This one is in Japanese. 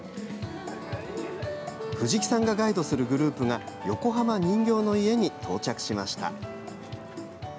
藤木さんがガイドするグループが横浜人形の家に到着しました。